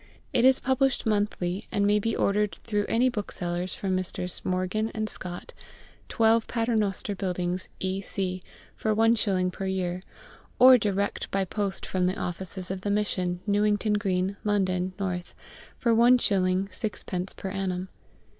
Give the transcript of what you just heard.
It is published monthly, and may be ordered through any bookseller from Messrs. Morgan and Scott, 12 Paternoster Buildings, E.C., for 1s. per year, or direct by post from the offices of the Mission, Newington Green, London, N., for 1s. 6d. per annum.